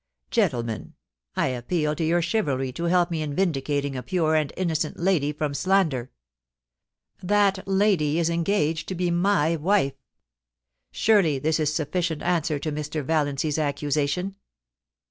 Gentlemen, I appeal to your chivalry to help me in vindicating a pure and innocent lady from slander. That lady is engaged to be my wife. Surely this is sufficient answer to Mr. Vallanc/s accusation.'